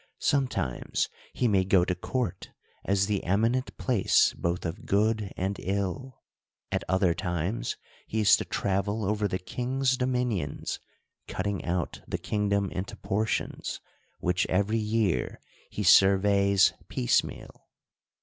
Sometimes he may go to court, as the eminent place both of good and ill. At other times he is to travel over the king's dominions ; cutting out the kingdom into portions, which every year he surveys piecemeal.